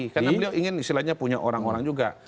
karena beliau ingin istilahnya punya orang orang juga